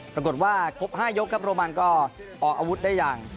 ปรากฏว่าครบ๕ยกครับโรมันก็ออกอาวุธได้อย่าง